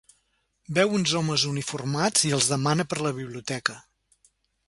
Veu uns homes uniformats i els demana per la biblioteca.